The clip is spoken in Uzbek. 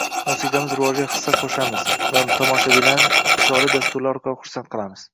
musiqamiz rivojiga xissa qo‘shamiz va tomoshabinlarni chiroyli dasturlar orqali xursand qilamiz.